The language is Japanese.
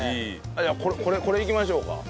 じゃあこれこれいきましょうか。